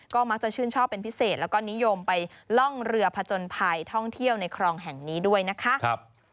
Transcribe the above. ก็มักจะชื่นชอบเป็นพิเศษแล้วก็นิยมไปล่องเรือผจญภัยท่องเที่ยวในครองแห่งนี้ด้วยนะคะ